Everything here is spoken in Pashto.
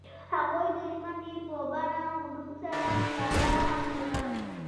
هغوی د ژمنې په بڼه غروب سره ښکاره هم کړه.